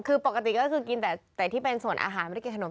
คือปกติก็คือกินแต่ที่เป็นส่วนอาหารไม่ได้กินขนม